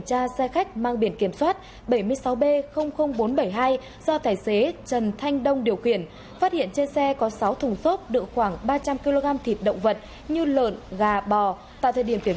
các bạn hãy đăng ký kênh để ủng hộ kênh của chúng mình nhé